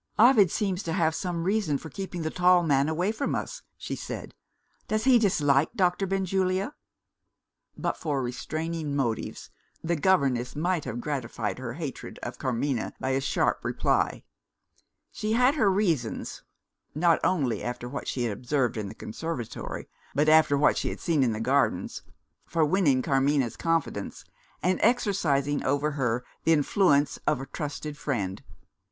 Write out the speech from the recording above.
"Ovid seems to have some reason for keeping the tall man away from us," she said. "Does he dislike Doctor Benjulia?" But for restraining motives, the governess might have gratified her hatred of Carmina by a sharp reply. She had her reasons not only after what she had overheard in the conservatory, but after what she had seen in the Gardens for winning Carmina's confidence, and exercising over her the influence of a trusted friend.